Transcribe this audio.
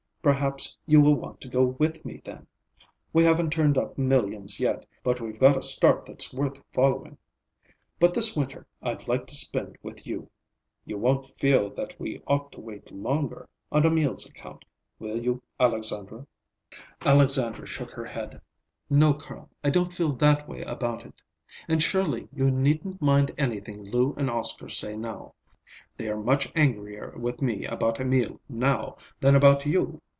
Perhaps you will want to go with me then. We haven't turned up millions yet, but we've got a start that's worth following. But this winter I'd like to spend with you. You won't feel that we ought to wait longer, on Emil's account, will you, Alexandra?" Alexandra shook her head. "No, Carl; I don't feel that way about it. And surely you needn't mind anything Lou and Oscar say now. They are much angrier with me about Emil, now, than about you.